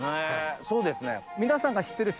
そうですね。